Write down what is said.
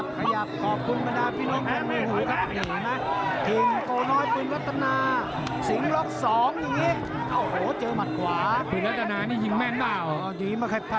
บั้งไม่ทันเลยนะถ้าบั้งไม่ทันโหมยทางเดียวก็มากซะ